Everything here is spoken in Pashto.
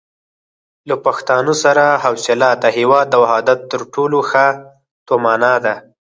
له پښتانه سره حوصله د هېواد د وحدت تر ټولو ښه تومنه ده.